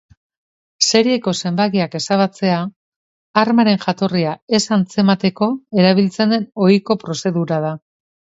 Serieko zenbakiak ezabatzea armaren jatorria ez antzemateko erabiltzen den ohiko prozedura da.